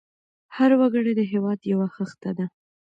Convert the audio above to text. هر وګړی د هېواد یو خښته ده.